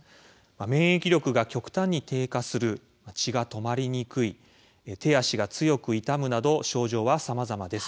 免疫力が極端に低下する血が止まりにくい手足が強く痛むなど症状はさまざまです。